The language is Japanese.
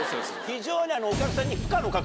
非常に。